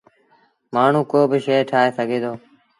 مآڻهوٚݩ ڪوبا شئي ٺآهي سگھي دو۔